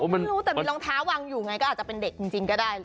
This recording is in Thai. ไม่รู้แต่มีรองเท้าวางอยู่ไงก็อาจจะเป็นเด็กจริงก็ได้